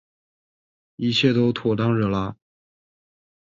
一切都妥当惹拉